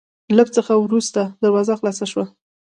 لېږ څه ورورسته دروازه خلاصه شوه،